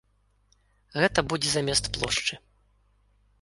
Гэта будзе замест плошчы.